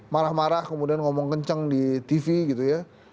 marah marah kemudian ngomong kenceng di tv gitu ya